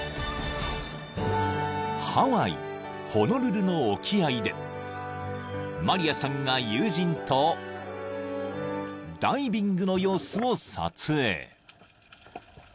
［ホノルルの沖合でマリアさんが友人とダイビングの様子を撮影］